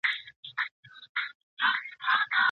د لاس لیکنه د زده کړي د پروسې نه بیلیدونکې برخه ده.